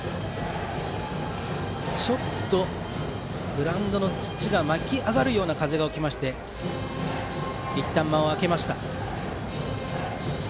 グラウンドの土が巻き上がるような風が起きましていったん間が空きました。